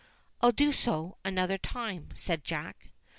', "I'll do so another time," said Jack.